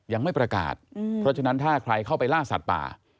ยังไม่ประกาศเพราะฉะนั้นถ้าใครเข้าไปล่าสัตว์ป่า